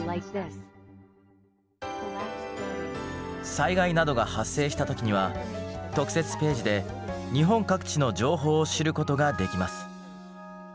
災害などが発生した時には特設ページで日本各地の情報を知ることができます。